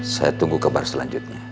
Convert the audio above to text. saya tunggu kabar selanjutnya